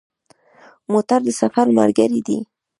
موټر د سفر ملګری دی.